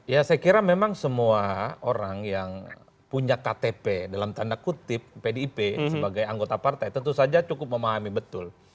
ya saya kira memang semua orang yang punya ktp dalam tanda kutip pdip sebagai anggota partai tentu saja cukup memahami betul